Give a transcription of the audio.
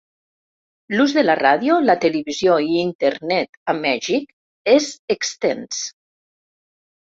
L'ús de la ràdio, la televisió i Internet a Mèxic és extens.